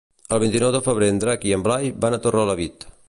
El vint-i-nou de febrer en Drac i en Blai van a Torrelavit.